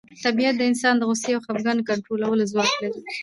طبیعت د انسان د غوسې او خپګان د کنټرولولو ځواک لري.